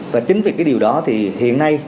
và chính vì cái điều đó thì hiện nay